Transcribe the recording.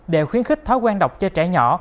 để khuyến khích thói quen độc cho trẻ nhỏ